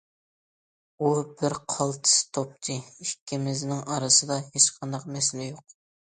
ئۇ بىر قالتىس توپچى، ئىككىمىزنىڭ ئارىسىدا ھېچقانداق مەسىلە يوق.